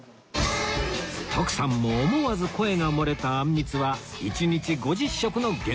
徳さんも思わず声が漏れたあんみつは１日５０食の限定